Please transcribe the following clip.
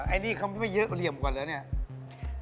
ไอ้นี่เขาไม่เยอะกว่าเหลี่ยมกว่าแล้วเนี่ย